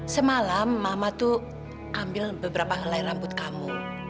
semalam mama tuh ambil beberapa helai rambut kamu